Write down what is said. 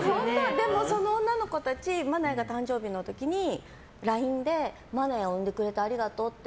その女の子たち愛弥が誕生日の時にＬＩＮＥで愛弥を産んでくれてありがとうって。